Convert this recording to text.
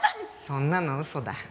そんなのウソだ。